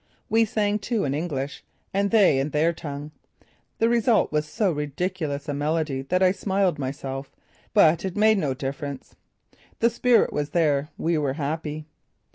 We sang, too, in English, and they in their tongue. The result was so ridiculous a medley that I smiled myself; but it made no difference. The spirit was there; we were happy.